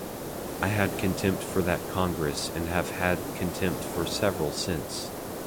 I had contempt for that Congress and have had contempt for several since.